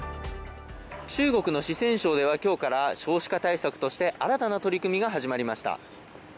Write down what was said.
中国の四川省では今日から少子化対策として新たな取り組みが始まりました。